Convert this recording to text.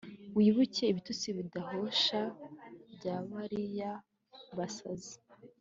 wibuke ibitutsi bidahosha bya bariya basazi